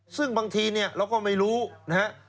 ซึ่งบางทีเนี่ยเราก็ไม่รู้นะฮะ